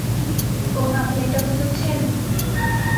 ওহ, আপনি এটা বোঝাচ্ছেন?